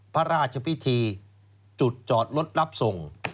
พระราชพิธีจุดจอดรถรับส่ง